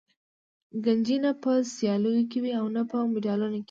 کنجي نه په سیالیو کې وي او نه په مډالونه کې.